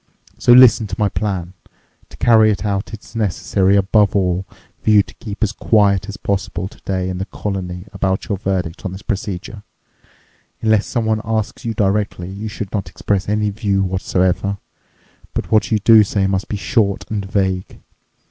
So listen to my plan. To carry it out, it's necessary, above all, for you to keep as quiet as possible today in the colony about your verdict on this procedure. Unless someone asks you directly, you should not express any view whatsoever. But what you do say must be short and vague.